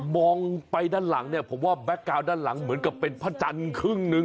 มองไปด้านหลังเนี่ยผมว่าแก๊กกาวน์ด้านหลังเหมือนกับเป็นพระจันทร์ครึ่งหนึ่ง